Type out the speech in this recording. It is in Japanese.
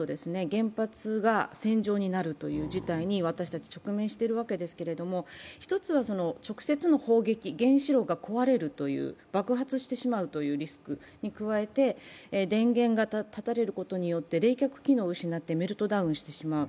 原発が戦場になるという事態に私たち直面しているわけですけれども、１つは直接の砲撃、原子炉が壊れる、爆発してしまうというリスクに加えて電源が絶たれることによって冷却機能を失ってメルトダウンしてしまう。